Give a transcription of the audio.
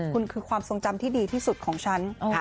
คุณคือความทรงจำที่ดีที่สุดของฉัน